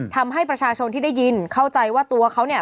ทำให้ประชาชนที่ได้ยินเข้าใจว่าตัวเขาเนี่ย